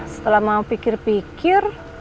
setelah mau pikir pikir